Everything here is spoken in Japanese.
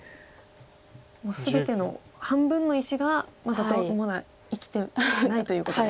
もう全ての半分の石がまだ生きてないということで。